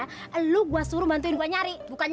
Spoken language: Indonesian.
sampai jumpa di video selanjutnya